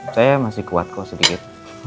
saya masih kuat kok sedikit